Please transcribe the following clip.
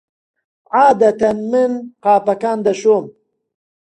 عادەتەن من قاپەکان دەشۆم.